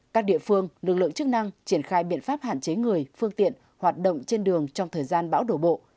các địa phương lực lượng chức năng triển khai biện pháp hạn chế người phương tiện hoạt động trên đường trong thời gian bão đổ bộ